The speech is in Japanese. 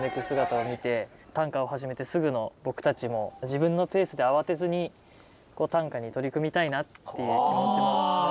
姿を見て短歌を始めてすぐの僕たちも自分のペースで慌てずに短歌に取り組みたいなっていう気持ちも。